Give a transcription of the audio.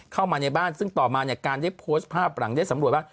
เข้ามาในบ้านซึ่งต่อมาเนี่ยการได้โพสต์ภาพหลังได้สำรวจว่า